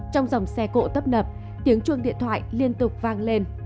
trong dòng xe cộ tấp nập tiếng chuông điện thoại liên tục vang lên